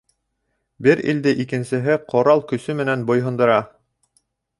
Бер илде икенсеһе ҡорал көсө менән буйһондора.